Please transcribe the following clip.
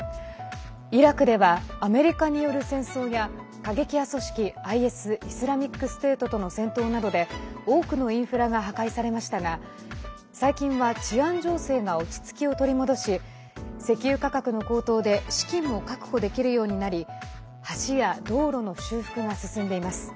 イラクではアメリカによる戦争や過激派組織ＩＳ＝イスラミックステートとの戦闘などで多くのインフラが破壊されましたが最近は治安情勢が落ち着きを取り戻し石油価格の高騰で資金も確保できるようになり橋や道路の修復が進んでいます。